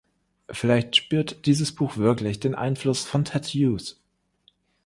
Vielleicht spürt dieses Buch wirklich den Einfluss von Ted Hughes.